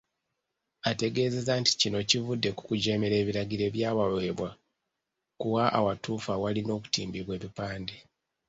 Ategeezezza nti kino kivudde ku kujeemera ebiragiro ebyabaweebwa ku wa awatuufu awalina okutimbibwa ebipande.